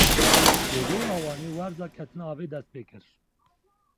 Li Gola Wanê werza ketina avê dest pê kir.